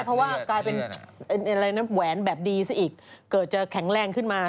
เพราะว่ากลายเป็นอะไรนะแหวนแบบดีซะอีกเกิดจะแข็งแรงขึ้นมา